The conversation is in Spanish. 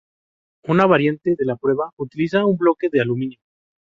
Una variante de la prueba utiliza un bloque de aluminio.